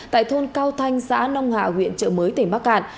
tại thôn cao thanh xã nông hạ huyện trợ mới tỉnh bắc cạn